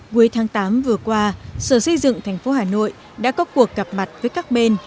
cuối tháng tám vừa qua sở xây dựng tp hà nội đã có cuộc gặp mặt với các bên